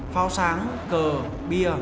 phao sáng cờ bia